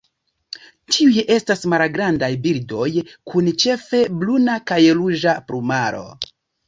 Tiuj estas malgrandaj birdoj kun ĉefe bruna kaj ruĝa plumaro.